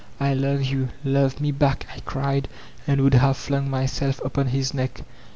''I k>ve you, love me back,^ I cried, and would have flung myself upon his neck.